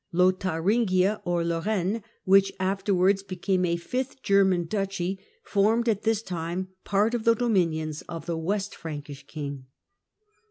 Lotharingia, or Lorraine, which after wards became a fifth German duchy, formed, at this time, part of the dominions of the West Frankish king.